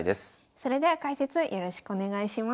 それでは解説よろしくお願いします。